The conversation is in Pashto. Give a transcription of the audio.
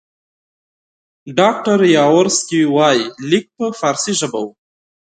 ډاکټر یاورسکي وایي لیک په فارسي ژبه وو.